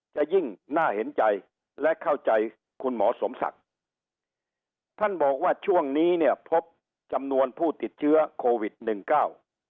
จะยิ่งน่าเห็นใจและเข้าใจคุณหมอสมศักดิ์ท่านบอกว่าช่วงนี้เนี่ยพบจำนวนผู้ติดเชื้อโควิดหนึ่งเก้า